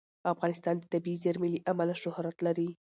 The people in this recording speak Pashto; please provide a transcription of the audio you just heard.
افغانستان د طبیعي زیرمې له امله شهرت لري.